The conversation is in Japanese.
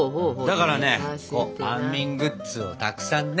だからね安眠グッズをたくさんね。